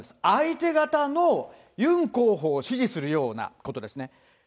相手方のユン候補を支持するようなことですね。